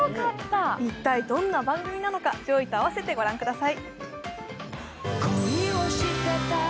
一体どんな番組なのか、上位と合わせて御覧ください。